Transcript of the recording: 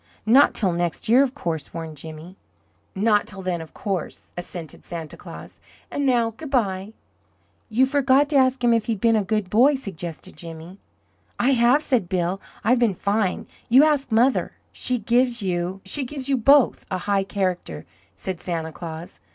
"Not till next year, of course," warned Jimmy. "Not till then, of course," assented Santa Claus. "And now, good bye." "You forgot to ask him if he'd been a good boy," suggested Jimmy. "I have," said Bill. "I've been fine. You ask mother." "She gives you she gives you both a high character," said Santa Claus.